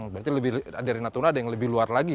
berarti dari natuna ada yang lebih luar lagi ya